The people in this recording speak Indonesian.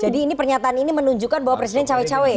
jadi ini pernyataan ini menunjukkan bahwa presiden cewek cewek